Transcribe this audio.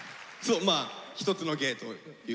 まあ一つの芸ということで。